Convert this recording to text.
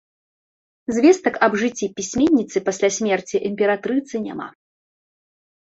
Звестак аб жыцці пісьменніцы пасля смерці імператрыцы няма.